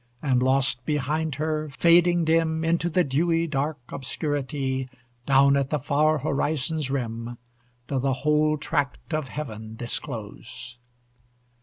and lost behind her, fading dim Into the dewy dark obscurity Down at the far horizon's rim, Doth a whole tract of heaven disclose!